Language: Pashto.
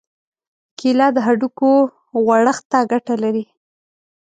کېله د هډوکو غوړښت ته ګټه لري.